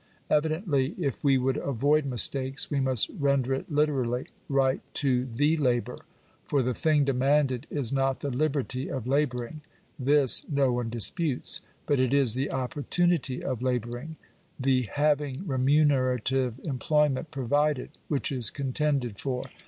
Evidently if we would avoid mistakes we must render it literally — right to tfie labour ; for the thing demanded is not the liberty of labouring: this, no one disputes; but it is the opportunity of labouring — the having re munerative employment provided, which is contended for.